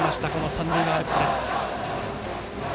三塁側アルプスです。